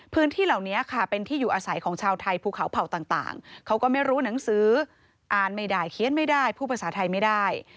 พื้นที่เหล่านี้ค่ะเป็นที่อยู่อาศัยของชาวไทยภูเขาเผ่าต่างเขาก็ไม่รู้หนังสืออ่านไม่ได้เขียนไม่ได้พูดภาษาไทยไม่ได้